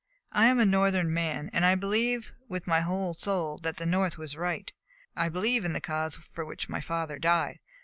"I am a Northern man, and I believe with my whole soul that the North was right. I believe in the cause for which my father died.